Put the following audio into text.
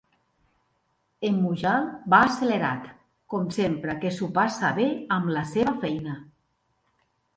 En Mujal va accelerat, com sempre que s'ho passa bé amb la seva feina.